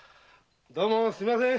どうもすみません。